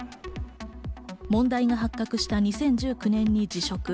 問題が発覚した２０１９年に辞職。